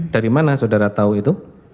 dari mana saudara tahu itu